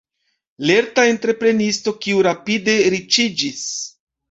Lerta entreprenisto, kiu rapide riĉiĝis.